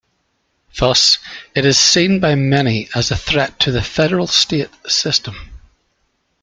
Thus, it is seen by many as a threat to the federal state system.